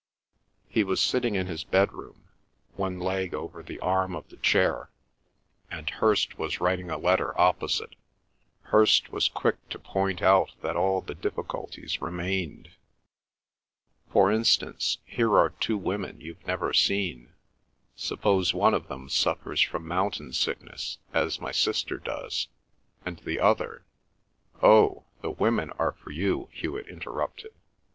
He was sitting in his bedroom, one leg over the arm of the chair, and Hirst was writing a letter opposite. Hirst was quick to point out that all the difficulties remained. "For instance, here are two women you've never seen. Suppose one of them suffers from mountain sickness, as my sister does, and the other—" "Oh, the women are for you," Hewet interrupted.